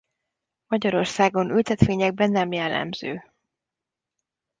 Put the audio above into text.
Magyarországon ültetvényekben nem jellemző.